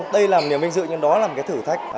đây là niềm vinh dự nhưng đó là một cái thử thách